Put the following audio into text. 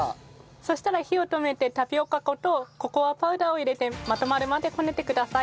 そしたら火を止めてタピオカ粉とココアパウダーを入れてまとまるまでこねてください。